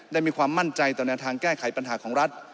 มีความมั่นใจต่อแนวทางแก้ไขปัญหาของรัฐ